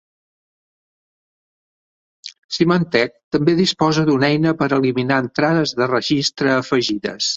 Symantec també disposa d'una eina per eliminar entrades de registre afegides.